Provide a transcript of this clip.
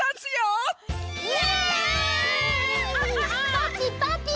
パーティーパーティー！